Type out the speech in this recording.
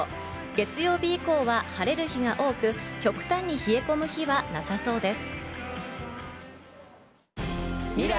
月曜日以降は晴れる日が多く、極端に冷え込む日はなさそうです。